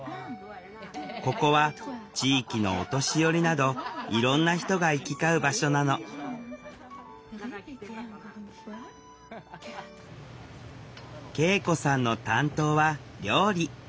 ここは地域のお年寄りなどいろんな人が行き交う場所なの圭永子さんの担当は料理。